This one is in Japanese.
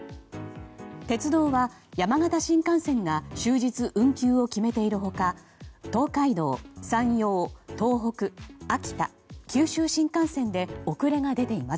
鉄道は、山形新幹線が終日運休を決めている他東海道、山陽、東北、秋田九州新幹線で遅れが出ています。